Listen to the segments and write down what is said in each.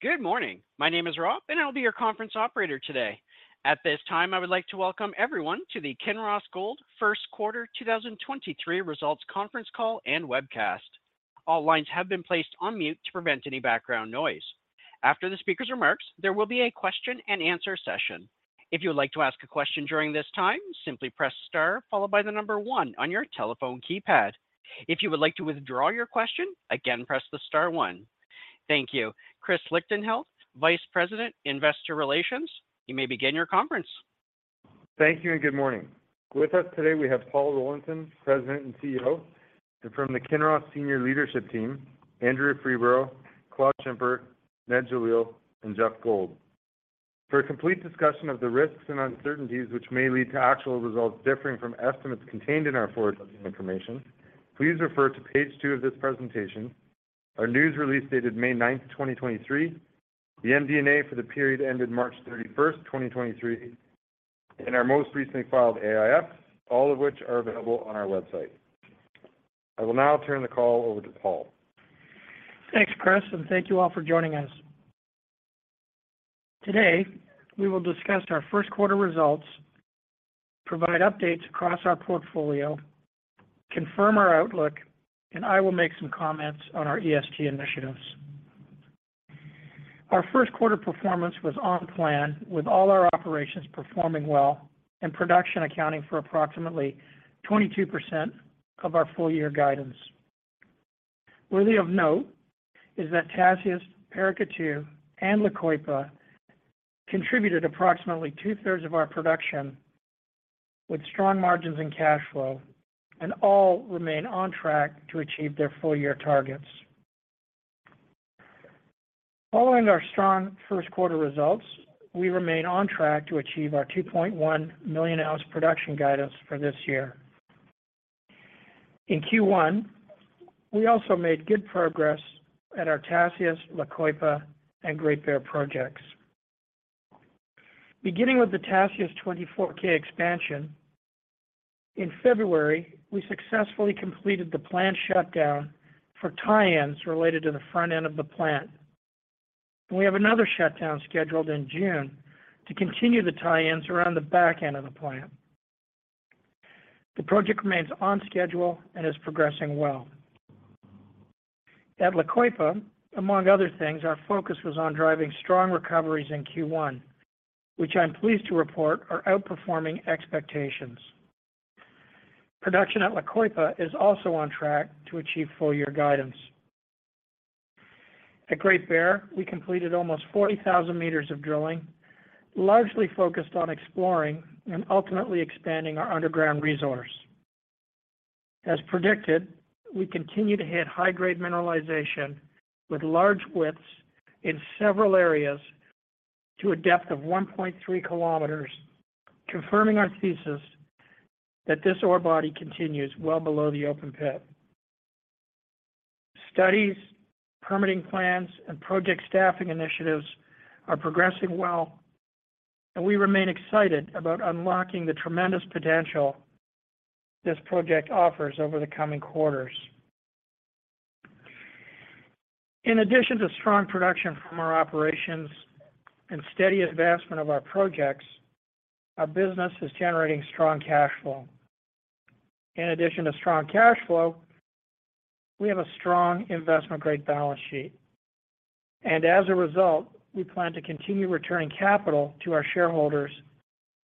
Good morning. My name is Rob, I'll be your conference operator today. At this time, I would like to welcome everyone to the Kinross Gold First Quarter 2023 Results Conference Call and Webcast. All lines have been placed on mute to prevent any background noise. After the speaker's remarks, there will be a question-and-answer session. If you would like to ask a question during this time, simply press star followed by the number one on your telephone keypad. If you would like to withdraw your question, again, press the star one. Thank you. Chris Lichtenheldt, Vice-President, Investor Relations, you may begin your conference. Thank you and good morning. With us today, we have Paul Rollinson, president and CEO, and from the Kinross senior leadership team, Andrea Freeborough, Claude Schimper, Ned Jalil, and Geoff Gold. For a complete discussion of the risks and uncertainties which may lead to actual results differing from estimates contained in our forward-looking information, please refer to page two of this presentation, our news release dated May 9, 2023, the MD&A for the period ended March 31st, 2023, and our most recently filed AIF, all of which are available on our website. I will now turn the call over to Paul. Thanks, Chris. Thank you all for joining us. Today, we will discuss our first quarter results, provide updates across our portfolio, confirm our outlook, and I will make some comments on our ESG initiatives. Our first quarter performance was on plan with all our operations performing well and production accounting for approximately 22% of our full year guidance. Worthy of note is that Tasiast, Paracatu, and La Coipa contributed approximately 2/3 of our production with strong margins and cash flow, and all remain on track to achieve their full year targets. Following our strong first quarter results, we remain on track to achieve our 2.1 million ounce production guidance for this year. In Q1, we also made good progress at our Tasiast, La Coipa, and Great Bear projects. Beginning with the Tasiast 24k expansion, in February, we successfully completed the plant shutdown for tie-ins related to the front end of the plant. We have another shutdown scheduled in June to continue the tie-ins around the back end of the plant. The project remains on schedule and is progressing well. At La Coipa, among other things, our focus was on driving strong recoveries in Q1, which I'm pleased to report are outperforming expectations. Production at La Coipa is also on track to achieve full year guidance. At Great Bear, we completed almost 40,000 meters of drilling, largely focused on exploring and ultimately expanding our underground resource. As predicted, we continue to hit high-grade mineralization with large widths in several areas to a depth of 1.3 kilometers, confirming our thesis that this ore body continues well below the open pit. Studies, permitting plans, and project staffing initiatives are progressing well, and we remain excited about unlocking the tremendous potential this project offers over the coming quarters. In addition to strong production from our operations and steady advancement of our projects, our business is generating strong cash flow. In addition to strong cash flow, we have a strong investment-grade balance sheet, and as a result, we plan to continue returning capital to our shareholders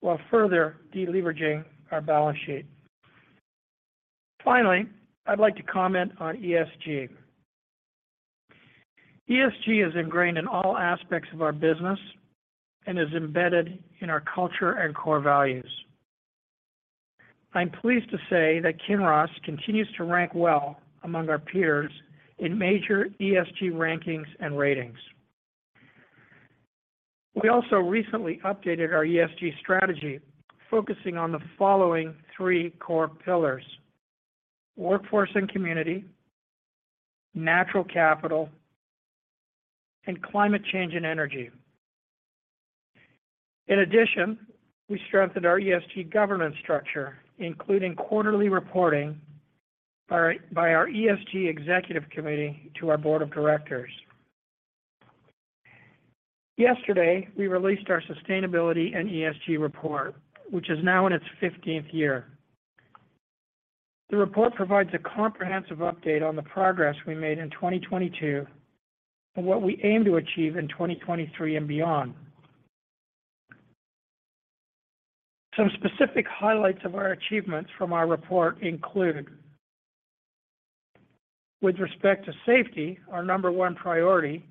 while further deleveraging our balance sheet. Finally, I'd like to comment on ESG. ESG is ingrained in all aspects of our business and is embedded in our culture and core values. I'm pleased to say that Kinross continues to rank well among our peers in major ESG rankings and ratings. We also recently updated our ESG strategy, focusing on the following three core pillars: workforce and community, natural capital, and climate change and energy. We strengthened our ESG governance structure, including quarterly reporting by our ESG executive committee to our board of directors. Yesterday, we released our sustainability and ESG report, which is now in its 15th year. The report provides a comprehensive update on the progress we made in 2022 and what we aim to achieve in 2023 and beyond. Some specific highlights of our achievements from our report include with respect to safety, our number one priority,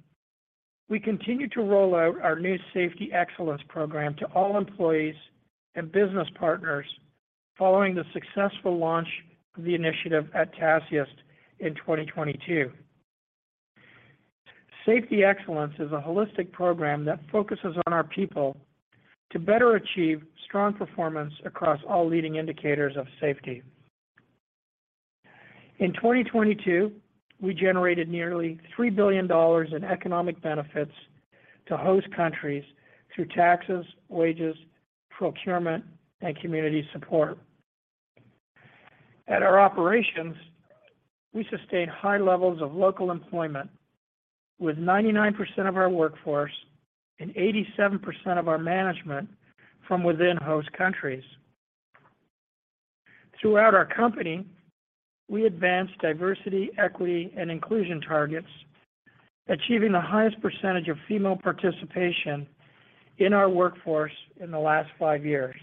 we continue to roll out our new Safety Excellence Program to all employees and business partners following the successful launch of the initiative at Tasiast in 2022. Safety Excellence is a holistic program that focuses on our people to better achieve strong performance across all leading indicators of safety. In 2022, we generated nearly $3 billion in economic benefits to host countries through taxes, wages, procurement, and community support. At our operations, we sustain high levels of local employment with 99% of our workforce and 87% of our management from within host countries. Throughout our company, we advance diversity, equity, and inclusion targets, achieving the highest percentage of female participation in our workforce in the last five years.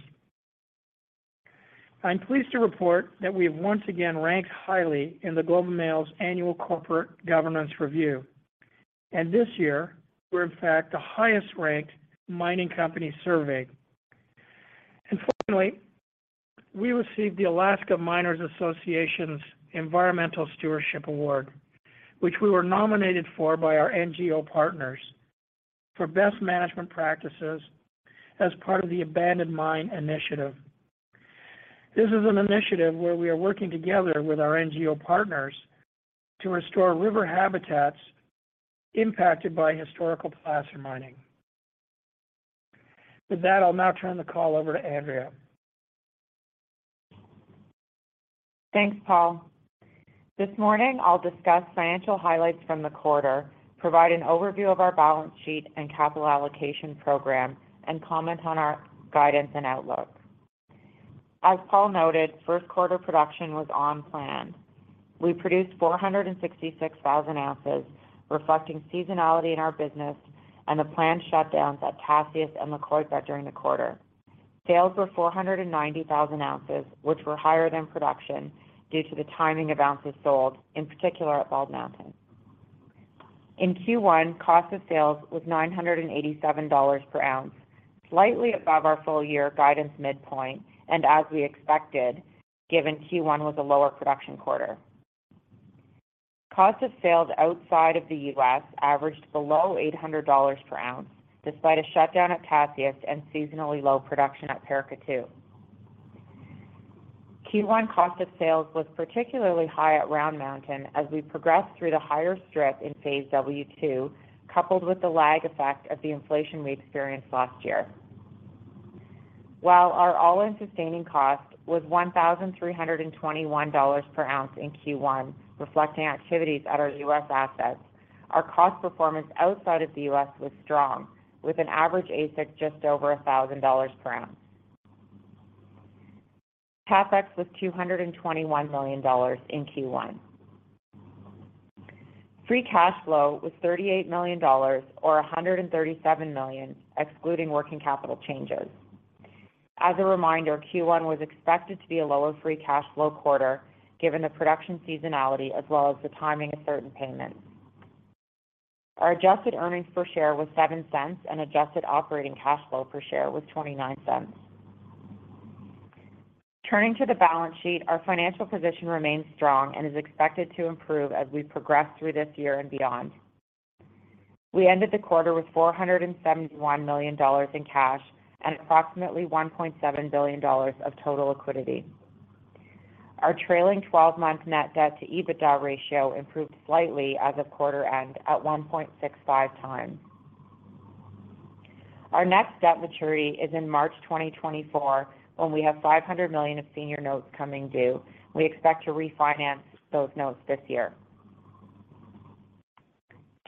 I'm pleased to report that we have once again ranked highly in The Globe and Mail's annual Corporate Governance Review. This year, we're in fact the highest-ranked mining company surveyed. Finally, we received the Alaska Miners Association's Environmental Stewardship Award, which we were nominated for by our NGO partners for best management practices as part of the Abandoned Mine Initiative. This is an initiative where we are working together with our NGO partners to restore river habitats impacted by historical placer mining. With that, I'll now turn the call over to Andrea. Thanks, Paul. This morning, I'll discuss financial highlights from the quarter, provide an overview of our balance sheet and capital allocation program, and comment on our guidance and outlook. As Paul noted, first quarter production was on plan. We priced 466,000 ounces, reflecting seasonality in our business and the planned shutdowns at Tasiast and La Coipa during the quarter. Sales were 490,000 ounces, which were higher than production due to the timing of ounces sold, in particular at Bald Mountain. In Q1, cost of sales was $987 per ounce, slightly above our full year guidance midpoint, and as we expected, given Q1 was a lower production quarter. Cost of sales outside of the U.S. averaged below $800 per ounce, despite a shutdown at Tasiast and seasonally low production at Paracatu. Q1 cost of sales was particularly high at Round Mountain as we progressed through the higher strip in Phase W II, coupled with the lag effect of the inflation we experienced last year. While our all-in sustaining cost was $1,321 per ounce in Q1, reflecting activities at our U.S. assets, our cost performance outside of the U.S. was strong, with an average AISC just over $1,000 per ounce. CapEx was $221 million in Q1. Free cash flow was $38 million or $137 million, excluding working capital changes. As a reminder, Q1 was expected to be a lower free cash flow quarter, given the production seasonality as well as the timing of certain payments. Our adjusted earnings per share was $0.07, and adjusted operating cash flow per share was $0.29. Turning to the balance sheet, our financial position remains strong and is expected to improve as we progress through this year and beyond. We ended the quarter with $471 million in cash and approximately $1.7 billion of total liquidity. Our trailing twelve-month net debt to EBITDA ratio improved slightly as of quarter end at 1.65x. Our next debt maturity is in March 2024, when we have $500 million of senior notes coming due. We expect to refinance those notes this year.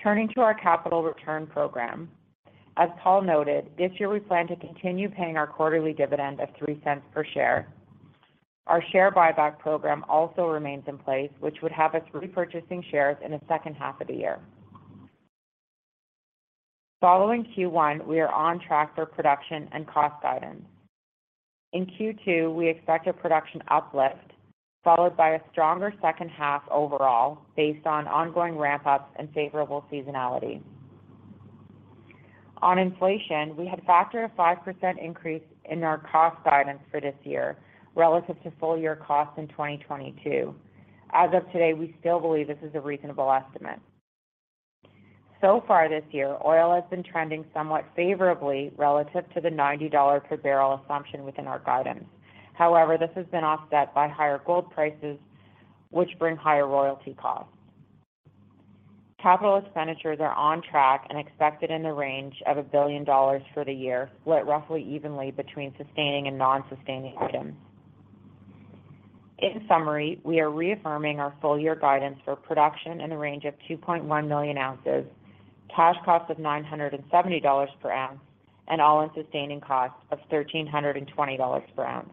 Turning to our capital return program. As Paul noted, this year we plan to continue paying our quarterly dividend of $0.03 per share. Our share buyback program also remains in place, which would have us repurchasing shares in the second half of the year. Following Q1, we are on track for production and cost guidance. In Q2, we expect a production uplift, followed by a stronger second half overall based on ongoing ramp-ups and favorable seasonality. On inflation, we had factored a 5% increase in our cost guidance for this year, relative to full-year costs in 2022. As of today, we still believe this is a reasonable estimate. Far this year, oil has been trending somewhat favorably relative to the $90 per barrel assumption within our guidance. However, this has been offset by higher gold prices, which bring higher royalty costs. CapEx are on track and expected in the range of $1 billion for the year, split roughly evenly between sustaining and non-sustaining items. In summary, we are reaffirming our full year guidance for production in a range of 2.1 million ounces, cash cost of $970 per ounce, and all-in sustaining cost of $1,320 per ounce.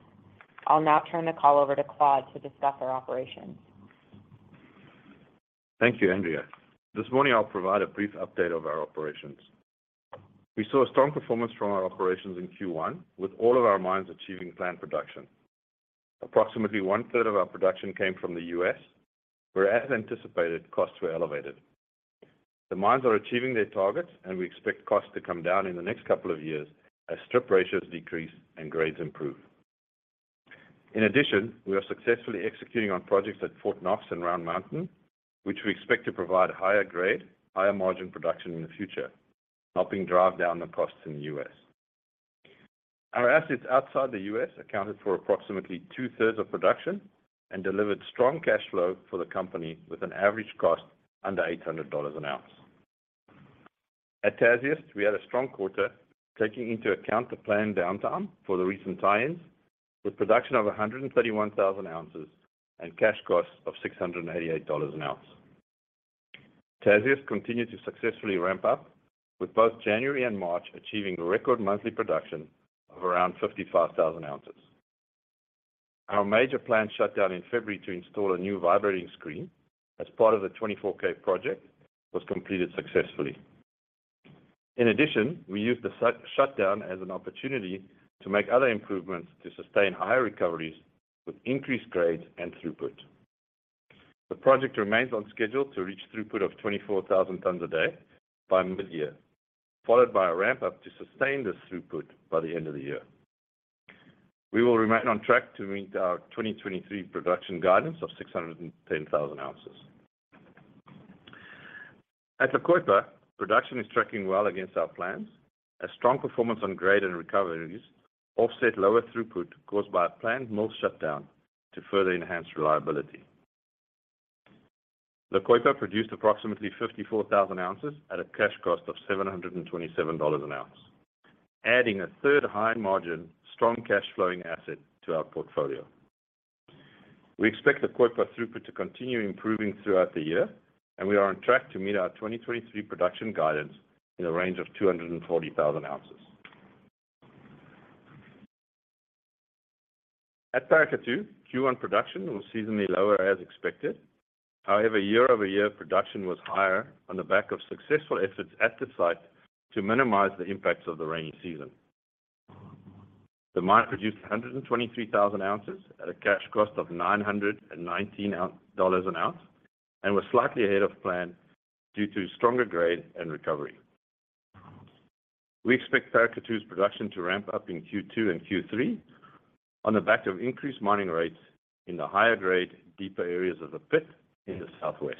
I'll now turn the call over to Claude to discuss our operations. Thank you, Andrea. This morning, I'll provide a brief update of our operations. We saw a strong performance from our operations in Q1, with all of our mines achieving plant production. Approximately one-third of our production came from the U.S., where as anticipated, costs were elevated. The mines are achieving their targets, and we expect costs to come down in the next couple of years as strip ratios decrease and grades improve. In addition, we are successfully executing on projects at Fort Knox and Round Mountain, which we expect to provide higher grade, higher margin production in the future, helping drive down the costs in the U.S. Our assets outside the U.S. accounted for approximately 2/3 of production and delivered strong cash flow for the company with an average cost under $800 an ounce. At Tasiast, we had a strong quarter taking into account the planned downtime for the recent tie-ins, with production of 131,000 ounces and cash costs of $688 an ounce. Tasiast continued to successfully ramp up with both January and March achieving record monthly production of around 55,000 ounces. Our major plant shutdown in February to install a new vibrating screen as part of the 24k project was completed successfully. We used the shutdown as an opportunity to make other improvements to sustain higher recoveries with increased grades and throughput. The project remains on schedule to reach throughput of 24,000 tons a day by mid-year, followed by a ramp-up to sustain this throughput by the end of the year. We will remain on track to meet our 2023 production guidance of 610,000 ounces. At La Coipa, production is tracking well against our plans as strong performance on grade and recoveries offset lower throughput caused by a planned mill shutdown to further enhance reliability. La Coipa produced approximately 54,000 ounces at a cash cost of $727 an ounce, adding a third high margin, strong cash flowing asset to our portfolio. We expect La Coipa throughput to continue improving throughout the year, and we are on track to meet our 2023 production guidance in a range of 240,000 ounces. At Paracatu, Q1 production was seasonally lower, as expected. Year-over-year production was higher on the back of successful efforts at the site to minimize the impacts of the rainy season. The mine produced 123,000 ounces at a cash cost of $919 an ounce, and was slightly ahead of plan due to stronger grade and recovery. We expect Paracatu's production to ramp up in Q2 and Q3 on the back of increased mining rates in the higher grade, deeper areas of the pit in the southwest.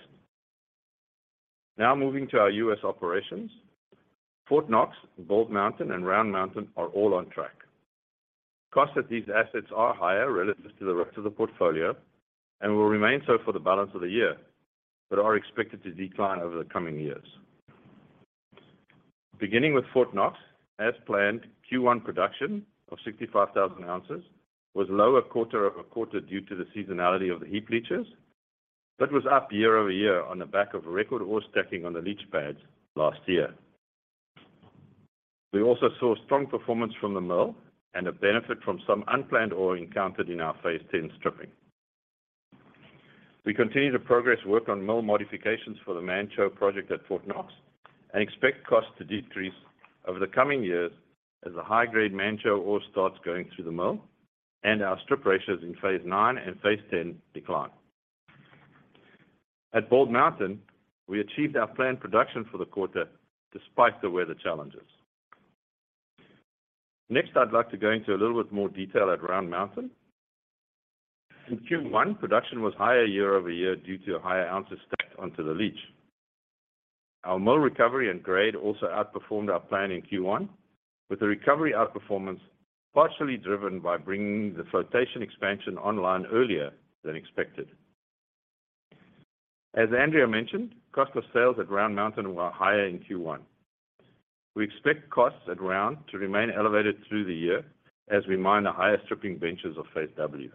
Moving to our U.S. operations. Fort Knox, Bald Mountain, and Round Mountain are all on track. Costs at these assets are higher relative to the rest of the portfolio and will remain so for the balance of the year, but are expected to decline over the coming years. Beginning with Fort Knox, as planned, Q1 production of 65,000 ounces was lower quarter-over-quarter due to the seasonality of the heap leaches, but was up year-over-year on the back of record ore stacking on the leach pads last year. We also saw strong performance from the mill and a benefit from some unplanned ore encountered in our Phase X stripping. We continue to progress work on mill modifications for the Manh Choh project at Fort Knox, and expect costs to decrease over the coming years as the high-grade Manh Choh ore starts going through the mill and our strip ratios in Phase IX and Phase X decline. At Bald Mountain, we achieved our planned production for the quarter despite the weather challenges. Next, I'd like to go into a little bit more detail at Round Mountain. In Q1, production was higher year-over-year due to a higher ounces stacked onto the leach. Our mill recovery and grade also outperformed our plan in Q1, with the recovery outperformance partially driven by bringing the flotation expansion online earlier than expected. As Andrea mentioned, cost of sales at Round Mountain were higher in Q1. We expect costs at Round to remain elevated through the year as we mine the higher stripping benches of Phase W.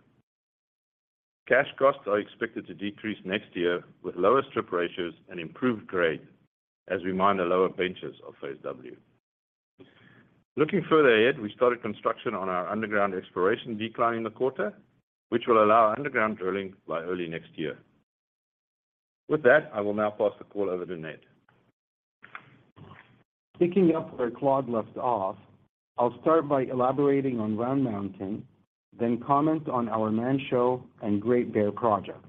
Cash costs are expected to decrease next year with lower strip ratios and improved grade as we mine the lower benches of Phase W. Looking further ahead, we started construction on our underground exploration decline in the quarter, which will allow underground drilling by early next year. With that, I will now pass the call over to Ned. Picking up where Claude left off, I'll start by elaborating on Round Mountain, then comment on our Manh Choh and Great Bear projects.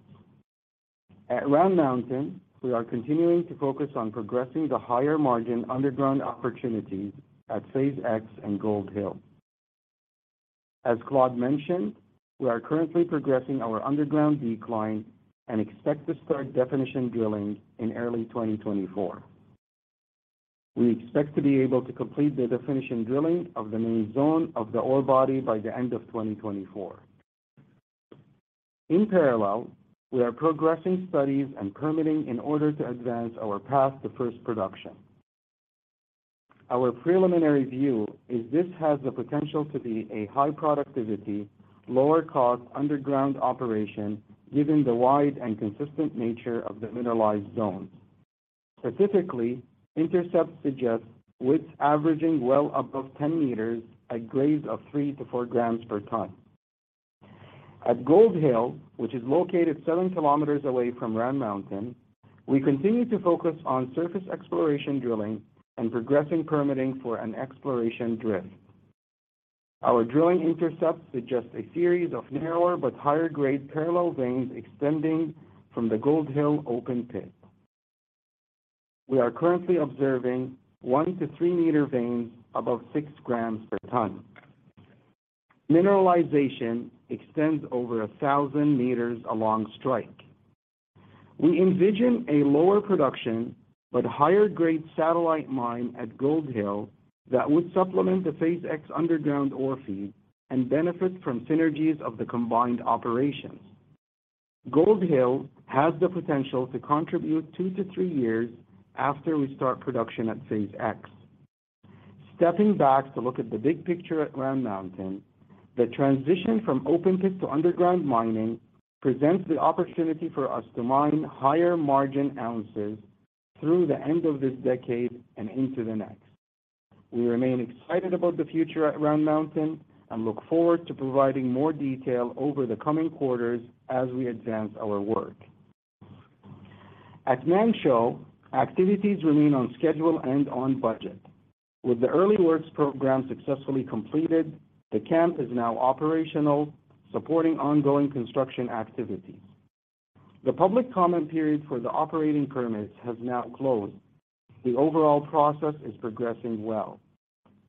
At Round Mountain, we are continuing to focus on progressing the higher margin underground opportunities at Phase X and Gold Hill. As Claude mentioned, we are currently progressing our underground decline and expect to start definition drilling in early 2024. We expect to be able to complete the definition drilling of the main zone of the ore body by the end of 2024. In parallel, we are progressing studies and permitting in order to advance our path to first production. Our preliminary view is this has the potential to be a high productivity, lower cost underground operation, given the wide and consistent nature of the mineralized zones. Specifically, intercepts suggest widths averaging well above 10 meters at grades of three to four grams per ton. At Gold Hill, which is located seven kilometers away from Round Mountain, we continue to focus on surface exploration drilling and progressing permitting for an exploration drift. Our drilling intercepts suggest a series of narrower but higher-grade parallel veins extending from the Gold Hill open pit. We are currently observing one-to-three-meter veins above six grams per ton. Mineralization extends over 1,000 meters along strike. We envision a lower production but higher-grade satellite mine at Gold Hill that would supplement the Phase X underground ore feed and benefit from synergies of the combined operations. Gold Hill has the potential to contribute two to three years after we start production at Phase X. Stepping back to look at the big picture at Round Mountain, the transition from open pit to underground mining presents the opportunity for us to mine higher margin ounces through the end of this decade and into the next. We remain excited about the future at Round Mountain and look forward to providing more detail over the coming quarters as we advance our work. At Manh Choh, activities remain on schedule and on budget. With the early works program successfully completed, the camp is now operational, supporting ongoing construction activities. The public comment period for the operating permits has now closed. The overall process is progressing well.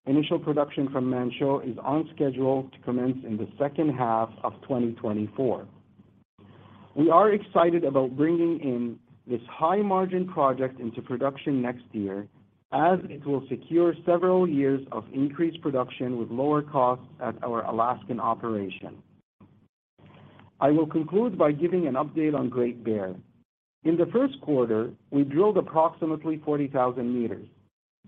Initial production from Manh Choh is on schedule to commence in the second half of 2024. We are excited about bringing in this high margin project into production next year, as it will secure several years of increased production with lower costs at our Alaskan operation. I will conclude by giving an update on Great Bear. In the first quarter, we drilled approximately 40,000 meters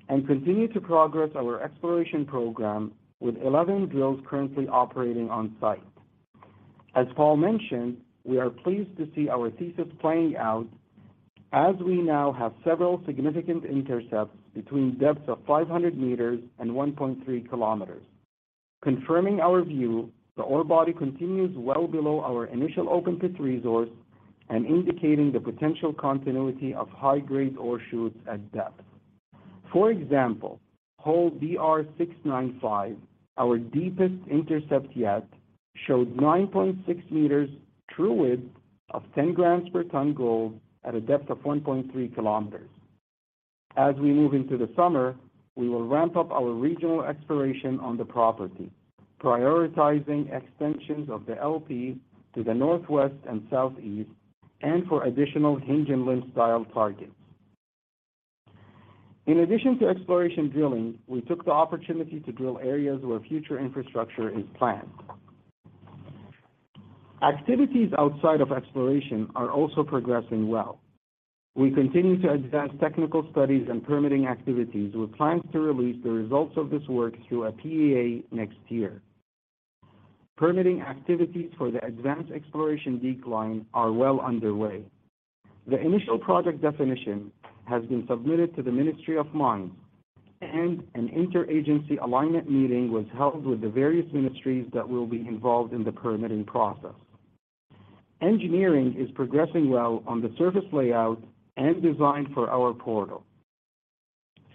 and continued to progress our exploration program with 11 drills currently operating on-site. As Paul mentioned, we are pleased to see our thesis playing out as we now have several significant intercepts between depths of 500 meters and 1.3 kilometers, confirming our view the ore body continues well below our initial open pit resource and indicating the potential continuity of high-grade ore shoots at depth. For example, hole DR695, our deepest intercept yet, showed 9.6 meters true width of 10 grams per ton gold at a depth of 1.3 kilometers. In addition to exploration drilling, we took the opportunity to drill areas where future infrastructure is planned. As we move into the summer, we will ramp up our regional exploration on the property, prioritizing extensions of the LPs to the northwest and southeast, and for additional hinge and limb style targets. Activities outside of exploration are also progressing well. We continue to advance technical studies and permitting activities with plans to release the results of this work through a PEA next year. Permitting activities for the advanced exploration decline are well underway. The initial project definition has been submitted to the Ministry of Mines. An inter-agency alignment meeting was held with the various ministries that will be involved in the permitting process. Engineering is progressing well on the surface layout and design for our portal.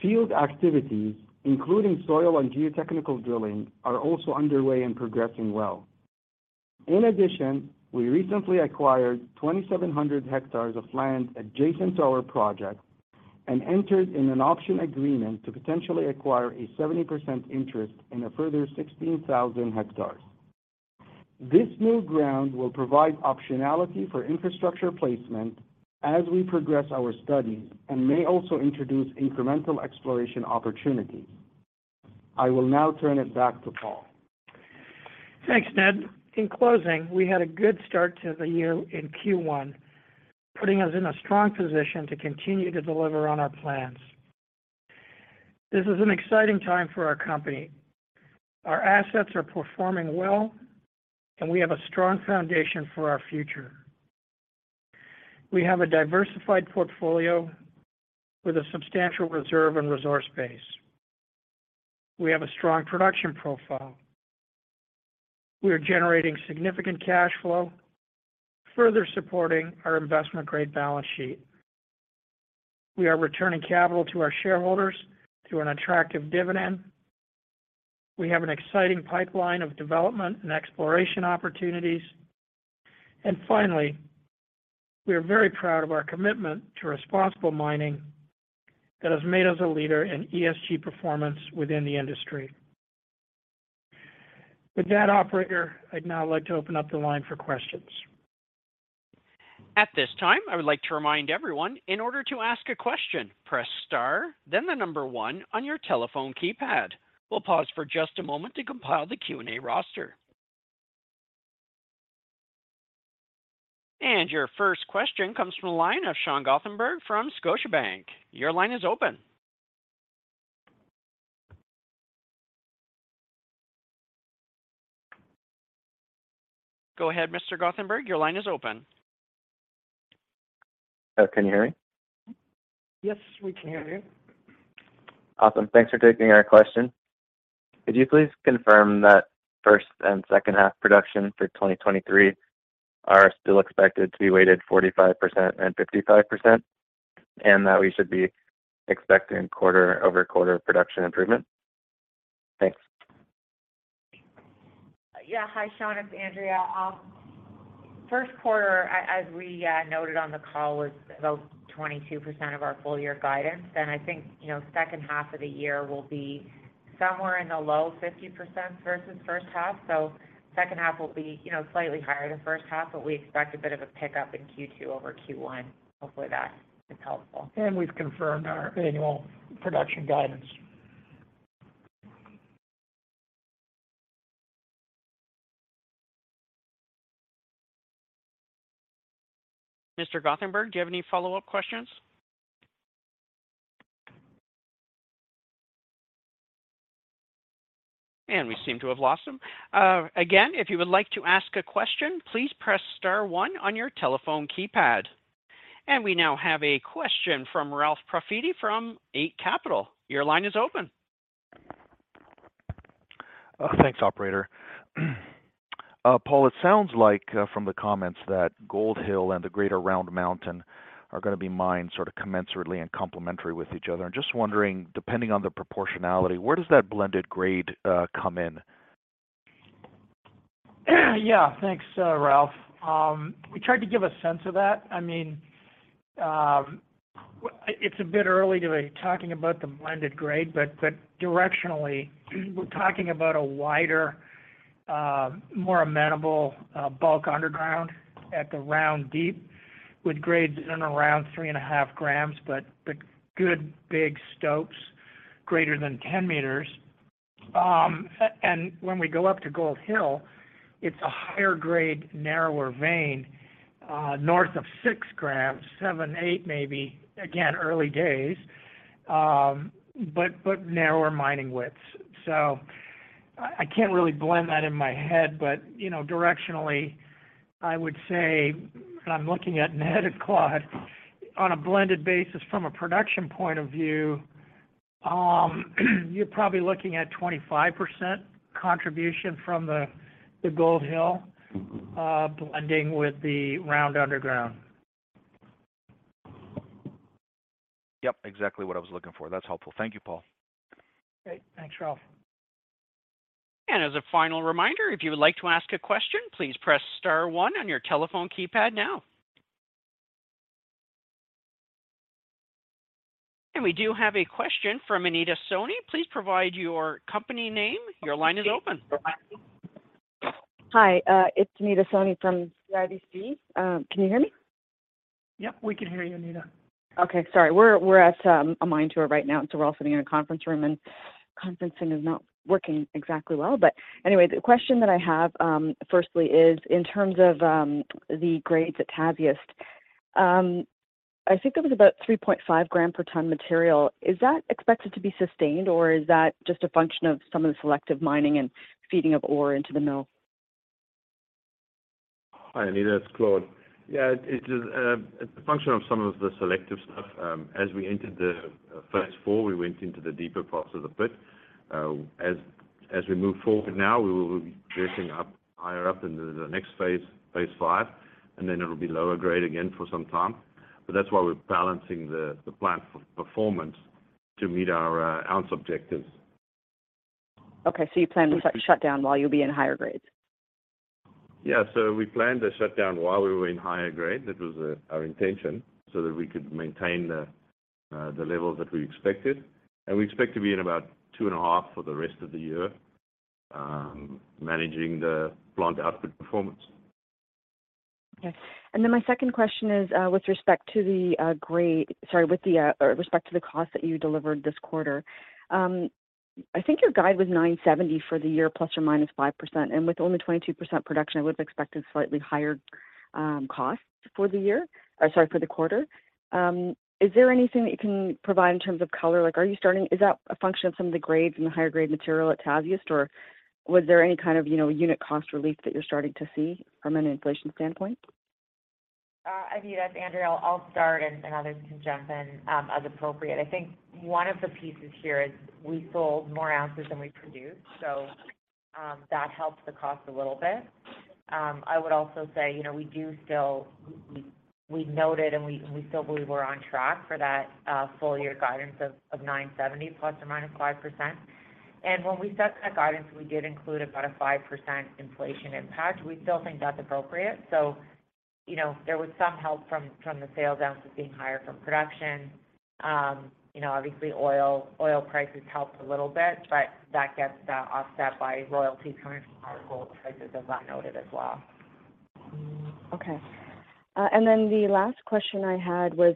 Field activities, including soil and geotechnical drilling, are also underway and progressing well. In addition, we recently acquired 2,700 hectares of land adjacent to our project and entered in an option agreement to potentially acquire a 70% interest in a further 16,000 hectares. This new ground will provide optionality for infrastructure placement as we progress our studies and may also introduce incremental exploration opportunities. I will now turn it back to Paul. Thanks, Ned. In closing, we had a good start to the year in Q1, putting us in a strong position to continue to deliver on our plans. This is an exciting time for our company. Our assets are performing well, and we have a strong foundation for our future. We have a diversified portfolio with a substantial reserve and resource base. We have a strong production profile. We are generating significant cash flow, further supporting our investment-grade balance sheet. We are returning capital to our shareholders through an attractive dividend. We have an exciting pipeline of development and exploration opportunities. Finally, we are very proud of our commitment to responsible mining that has made us a leader in ESG performance within the industry. With that, operator, I'd now like to open up the line for questions. At this time, I would like to remind everyone, in order to ask a question, press star then the number 1 on your telephone keypad. We'll pause for just a moment to compile the Q&A roster. Your first question comes from the line of Sean Gothenberg from Scotiabank. Your line is open. Go ahead, Mr.Gothenberg. Your line is open. Can you hear me? Yes, we can hear you. Awesome. Thanks for taking our question. Could you please confirm that first and second half production for 2023 are still expected to be weighted 45% and 55%, and that we should be expecting quarter-over-quarter production improvement? Thanks. Hi, Sean, it's Andrea. First quarter, as we noted on the call, was about 22% of our full year guidance. I think, you know, second half of the year will be somewhere in the low 50% versus first half. Second half will be, you know, slightly higher than first half, but we expect a bit of a pickup in Q2 over Q1. Hopefully that is helpful. We've confirmed our annual production guidance. Mr. Gothenberg, do you have any follow-up questions? We seem to have lost him. Again, if you would like to ask a question, please press star one on your telephone keypad. We now have a question from Ralph Profiti from Eight Capital. Your line is open. Thanks operator. Paul, it sounds like from the comments that Gold Hill and the greater Round Mountain are gonna be mined sorta commensurately and complementary with each other. I'm just wondering, depending on the proportionality, where does that blended grade come in? Yeah, thanks, Ralph. We tried to give a sense of that. I mean, it's a bit early to be talking about the blended grade, but directionally, we're talking about a wider, more amenable, bulk underground at the Round Mountain, with grades in and around 3.5 grams, but the good, big stopes greater than 10 meters. And when we go up to Gold Hill, it's a higher grade, narrower vein, north of six grams, seven, eight maybe. Again, early days. But narrower mining widths. I can't really blend that in my head but, you know, directionally, I would say, and I'm looking at Ned and Claude, on a blended basis from a production point of view, you're probably looking at 25% contribution from the Gold Hill, blending with the Round underground. Yep, exactly what I was looking for. That's helpful. Thank you, Paul. Great. Thanks, Ralph. As a final reminder, if you would like to ask a question, please press star one on your telephone keypad now. We do have a question from Anita Soni. Please provide your company name. Your line is open. Hi, it's Anita Soni from CIBC Capital Markets. Can you hear me? Yep, we can hear you, Anita. Okay. Sorry. We're at a mine tour right now, we're all sitting in a conference room, conferencing is not working exactly well. Anyway, the question that I have, firstly is in terms of the grades at Tasiast. I think it was about 3.5 gram per ton material. Is that expected to be sustained, or is that just a function of some of the selective mining and feeding of ore into the mill? Hi, Anita, it's Claude. Yeah, it is, a function of some of the selective stuff. As we entered the, Phase IV, we went into the deeper parts of the pit. As we move forward now, we will be dressing up, higher up into the next phase, Phase V, and then it'll be lower grade again for some time. That's why we're balancing the plant for performance to meet our, ounce objectives. You plan to shut down while you'll be in higher grades. We planned to shut down while we were in higher grade. That was our intention, so that we could maintain the levels that we expected. We expect to be in about two and ahalf for the rest of the year, managing the plant output performance. My second question is with respect to the cost that you delivered this quarter. I think your guide was $970 for the year, plus or minus 5%. With only 22% production, I would've expected slightly higher costs for the year or sorry, for the quarter. Is there anything that you can provide in terms of color? Is that a function of some of the grades and the higher grade material at Tasiast, or was there any kind of, you know, unit cost relief that you're starting to see from an inflation standpoint? Anita, it's Andrea. I'll start and others can jump in as appropriate. I think one of the pieces here is we sold more ounces than we produced, so that helped the cost a little bit. I would also say, you know, we do still, we've noted and we still believe we're on track for that full year guidance of 970 ±5%. When we set that guidance, we did include about a 5% inflation impact. We still think that's appropriate. You know, there was some help from the sale down to being higher from production. You know, obviously oil prices helped a little bit, but that gets offset by royalty coming from our gold prices, as I noted as well. Okay. Then the last question I had was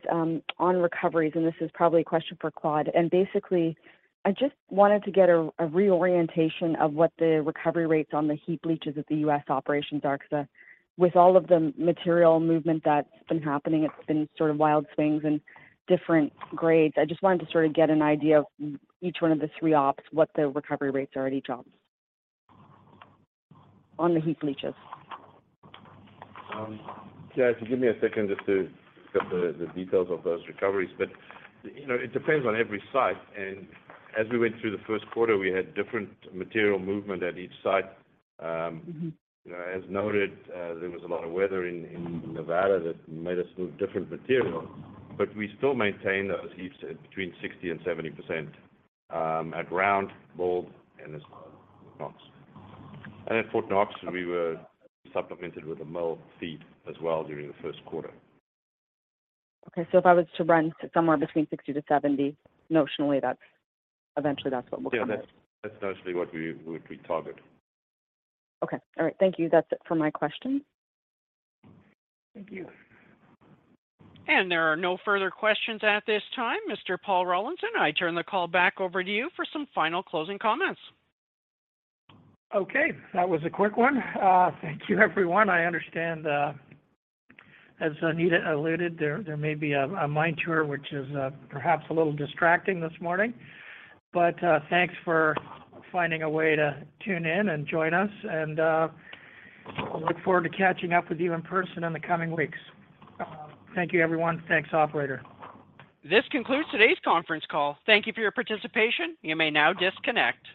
on recoveries, and this is probably a question for Claude. Basically, I just wanted to get a reorientation of what the recovery rates on the heap leaches at the US operations are. With all of the material movement that's been happening, it's been sort of wild swings and different grades. I just wanted to sort of get an idea of each one of the three ops, what the recovery rates are at each ops. On the heap leaches. Give me a second just to get the details of those recoveries. You know, it depends on every site. As we went through the first quarter, we had different material movement at each site. Mm-hmm. You know, as noted, there was a lot of weather in Nevada that made us move different material. We still maintain those heaps at between 60% and 70%, at Round, Gold, and as well as Knox. At Fort Knox, we were supplemented with a mill feed as well during the first quarter. Okay. If I was to run somewhere between 60 - 70, notionally that's, eventually that's what we'll come in. Yeah, that's mostly what we target. Okay. All right. Thank you. That's it for my questions. Thank you. There are no further questions at this time. Mr. Paul Rollinson, I turn the call back over to you for some final closing comments. Okay. That was a quick one. Thank you everyone. I understand, as Anita alluded, there may be a mine tour, which is, perhaps a little distracting this morning. Thanks for finding a way to tune in and join us, and, I look forward to catching up with you in person in the coming weeks. Thank you everyone. Thanks, operator. This concludes today's conference call. Thank you for your participation. You may now disconnect.